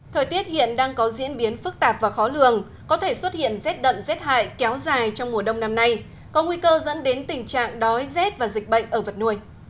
thời tiết hiện đang có diễn biến phức tạp và khó lường có thể xuất hiện rét đậm rét hại kéo dài trong mùa đông năm nay có nguy cơ dẫn đến tình trạng đói rét và dịch bệnh ở vật nuôi